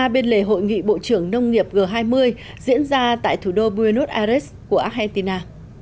bên lề hội nghị bộ trưởng nông nghiệp g hai mươi diễn ra tại thủ đô buenos aires của argentina